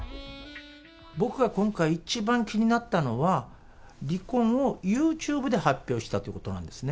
僕が今回、一番気になったのは、離婚をユーチューブで発表したということなんですね。